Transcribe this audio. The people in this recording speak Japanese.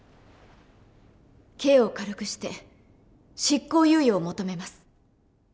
刑を軽くして執行猶予を求めます。